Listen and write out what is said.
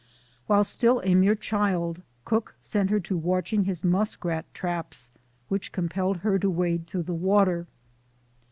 While still a mere child, Cook set her to watching his musk rat traps, which compelled her to wade through the water.